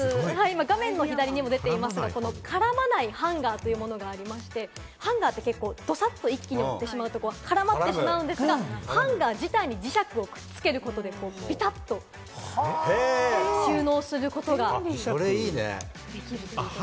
画面の左にも出ていますが、「絡まないハンガー」というものがありまして、ハンガーって結構、ドサっと一気に置いてしまうと絡まってしまうんですが、ハンガー自体に磁石をくっつけることでピタっと収納することができるということで。